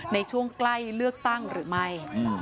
ในช่วงใกล้เลือกตั้งหรือไม่